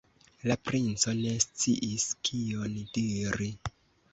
La princo ne sciis, kion diri.